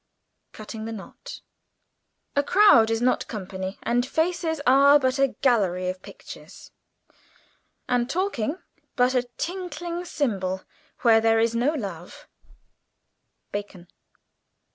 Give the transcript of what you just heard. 7. Cutting the Knot "A Crowd is not Company; And Faces are but a Gallery of Pictures; And Talke but a Tinckling Cymball, where there is no Love." BACON.